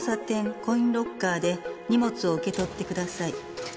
コインロッカーで荷物を受け取って下さい」